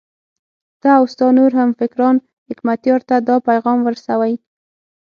ته او ستا نور همفکران حکمتیار ته دا پیغام ورسوئ.